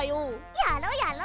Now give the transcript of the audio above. やろやろ！